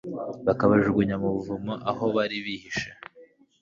bakabajugunya mu buvumo aho bari bihishe